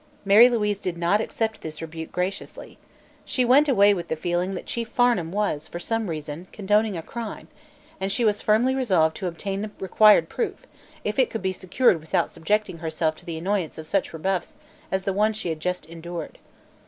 Mary Louise did not accept this rebuke graciously. She went away with the feeling that Chief Farnum was, for some reason, condoning a crime, and she was firmly resolved to obtain the required proof if it could be secured without subjecting herself to the annoyance of such rebuffs as the one she had just endured.